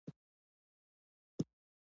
د افغاني ټولنې بستر ورسره نه و جوړ.